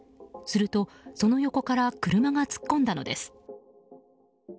すると、その横から車が突っ込んだのです。